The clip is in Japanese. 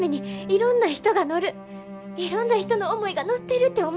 いろんな人の思いが乗ってるて思うねん。